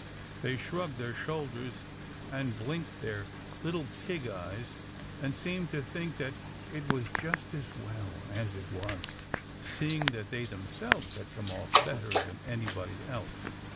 They shrugged their shoulders, and blinked their little pig eyes, and seemed to think that it was just as well as it was, seeing that they themselves had come off better than anybody else.